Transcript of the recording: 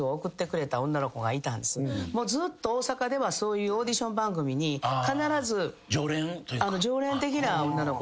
ずっと大阪ではそういうオーディション番組に必ず常連的な女の子で。